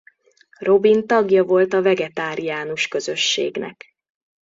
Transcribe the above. Robin tagja volt a Vegetáriánus Közösségnek.